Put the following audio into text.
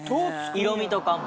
色味とかも。